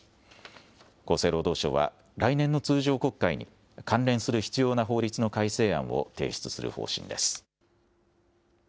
厚生労働省は、来年の通常国会に関連する必要な法律の改正案を提出する方針です。